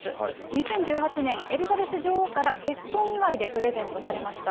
２０１８年、エリザベス女王から、結婚祝いでプレゼントされました。